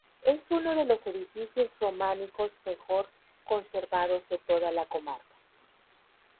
Es uno de los edificios románicos mejor conservados de toda la comarca.